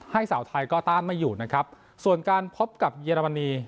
สาวไทยก็ต้านไม่อยู่นะครับส่วนการพบกับเยอรมนี